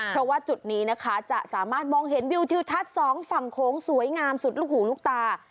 เพราะว่าจุดนี้นะคะจะสามารถมองเห็นวิวทิวทัศน์สองฝั่งโขงสวยงามสุดลูกหูลูกตา